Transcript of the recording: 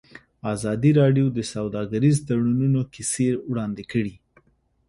ازادي راډیو د سوداګریز تړونونه کیسې وړاندې کړي.